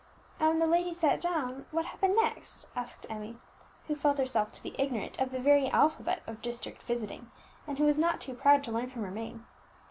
"And when the ladies sat down, what happened next?" asked Emmie, who felt herself to be ignorant of the very alphabet of district visiting, and who was not too proud to learn from her maid.